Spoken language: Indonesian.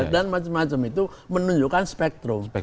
dan macam macam itu menunjukkan spektrum